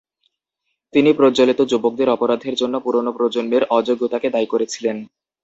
তিনি "প্রজ্বলিত যুবকদের" অপরাধের জন্য পুরোনো প্রজন্মের "অযোগ্যতা" কে দায়ী করেছিলেন।